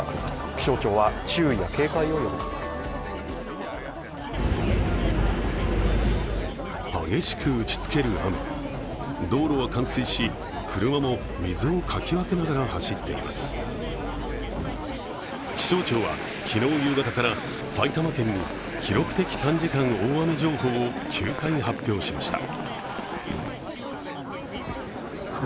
気象庁は昨日夕方から埼玉県に記録的短時間大雨情報を９回発表しました。